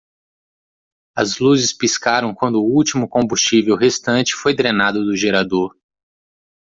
As luzes piscaram quando o último combustível restante foi drenado do gerador.